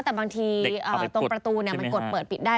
แต่บางทีตรงประตูมันกดเปิดปิดได้